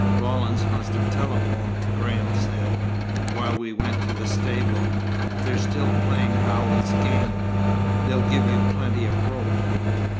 "Rawlins must have telephoned," Graham said, "while we went to the stable. They're still playing Howells's game. They'll give you plenty of rope."